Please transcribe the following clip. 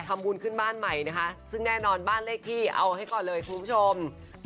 ทำบุญขึ้นบ้านใหม่นะคะซึ่งแน่นอนบ้านเลขที่เอาให้ก่อนเลยคุณผู้ชม